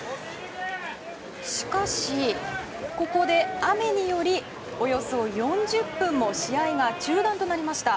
しかし、ここで雨によりおよそ４０分も試合が中断となりました。